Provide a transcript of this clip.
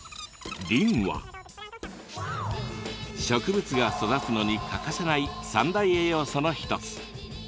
リンは植物が育つのに欠かせない３大栄養素の一つ。